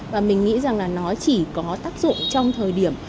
và mình nghĩ rằng là nó chỉ có tác dụng trong thời điểm